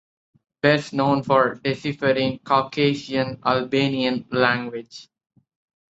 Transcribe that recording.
Best known for deciphering Caucasian Albanian language.